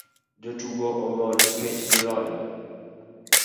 Jotugo omor nikech giloyo